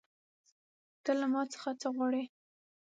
ته له ما څخه څه غواړې